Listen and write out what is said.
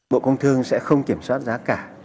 bộ công thương sẽ không kiểm soát giá cả